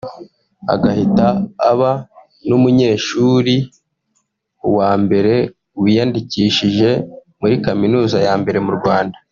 agahita aba n’umunyeshuri wa mbere wiyandikishije muri Kaminuza ya mbere mu Rwanda